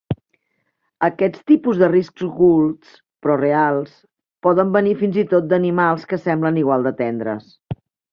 Aquest tipus de riscos ocults (però reals) poden venir fins i tot d'animals que semblen igual de tendres.